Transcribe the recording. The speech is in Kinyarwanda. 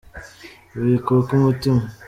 Wikuka umutima.